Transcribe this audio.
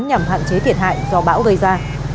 nhằm hạn chế thiệt hại do bão gây ra